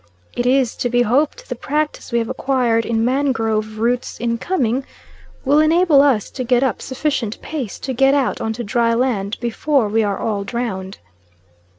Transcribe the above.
It's to be hoped the practice we have acquired in mangrove roots in coming, will enable us to get up sufficient pace to get out on to dry land before we are all drowned."